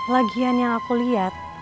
lagian yang aku lihat